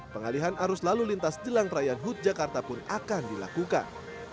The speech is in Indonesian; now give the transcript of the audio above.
pengalihan arus lalu lintas jelang perayaan hut jakarta pun akan dilakukan